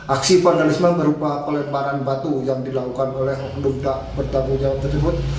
aksi vandalisme berupa pelemparan batu yang dilakukan oleh oknum tak bertanggung jawab tersebut